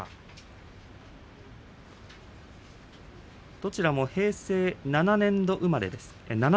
どちらも平成７年生まれです。